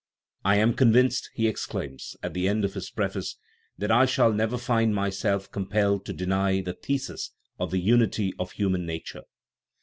" I am convinced," he exclaims, at the end of his preface, "that I shall never find myself compelled to deny the thesis of the unity of human nature."